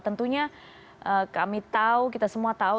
tentunya kami tahu kita semua tahu